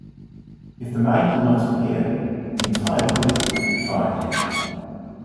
If the man did not appear, the entire group could be fined.